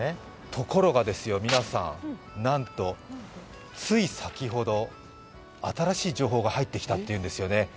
ところがですよ、皆さん、なんとつい先ほど、新しい情報が入ってきたというんですよね。